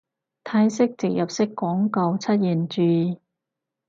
泰式植入式廣告出現注意